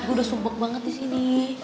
gua udah sumbek banget disini